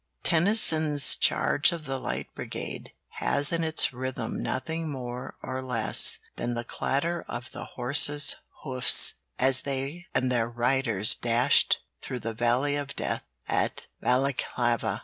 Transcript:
Tennyson's 'Charge of the Light Brigade' has in its rhythm nothing more or less than the clatter of the horses' hoofs as they and their riders dashed through the valley of death at Balaklava.